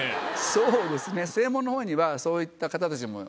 そうですね正門のほうにはそういった方たちも。